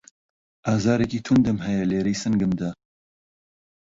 ئازارێکی توندم هەیە لێرەی سنگمدا